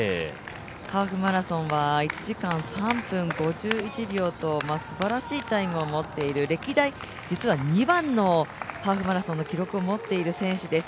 ハーフマラソンは１時間３分５１秒とすばらしいタイムを持っている実は歴代２番のハーフマラソンの記録を持つ選手です。